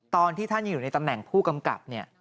ตอนที่ท่านยังอยู่ในตำแหน่งผู้กำกับเนี่ย